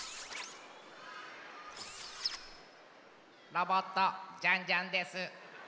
ロボットジャンジャンです。